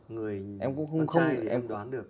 người con trai thì em đoán được